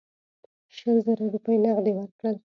شل زره روپۍ نغدي ورکړل.